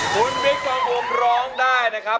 คุณบิ๊กปองผมร้องได้นะครับ